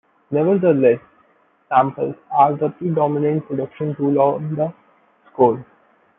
Nevertheless, samples are the predominant production tool on "The Score".